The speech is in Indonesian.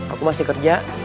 aku masih kerja